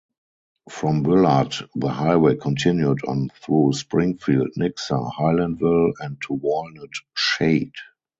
From Willard, the highway continued on through Springfield, Nixa, Highlandville, and to Walnut Shade.